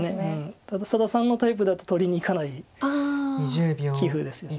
ただ佐田さんのタイプだと取りにいかない棋風ですので。